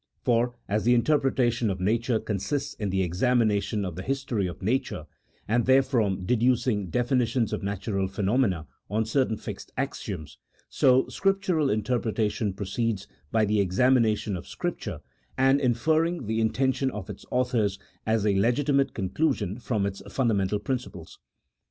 For as the interpretation of nature consists in the examination of the history of nature, and therefrom de ducing definitions of natural phenomena on certain fixed axioms, so Scriptural interpretation proceeds by the exami nation of Scripture, and inferring the intention of its authors as a legitimate conclusion from its fundamental principles.